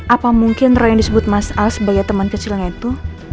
apa mungkin roh yang disebut mas al sebagai teman kecilnya itu